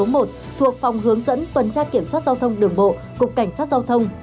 thuộc phòng hướng dẫn tuần tra kiểm soát giao thông đường bộ cục cảnh sát giao thông